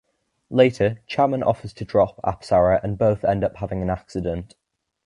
Later Chaman offers to drop Apsara and both end up having an accident.